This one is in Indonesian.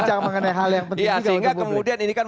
hal yang penting juga untuk publik ya sehingga kemudian ini kan